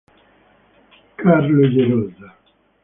Carlo Gerosa